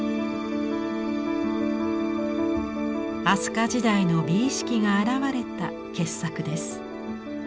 飛鳥時代の美意識が表れた傑作です。